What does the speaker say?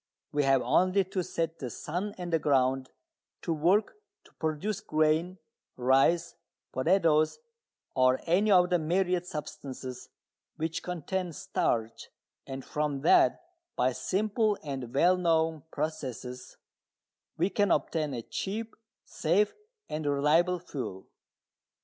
We have only to set the sun and the ground to work to produce grain, rice, potatoes, or any of the myriad substances which contain starch, and from that, by simple and well known processes, we can obtain a cheap, safe and reliable fuel.